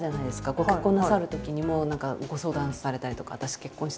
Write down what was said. ご結婚なさるときにも何かご相談されたりとか「私結婚していいかしら？」